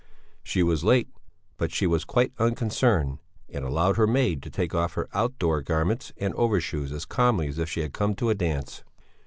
She was late; but she was quite unconcerned and allowed her maid to take off her outdoor garments and overshoes as calmly as if she had come to a dance.